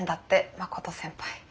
真琴先輩。